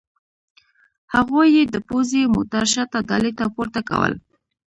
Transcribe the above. هغوی یې د پوځي موټر شاته ډالې ته پورته کول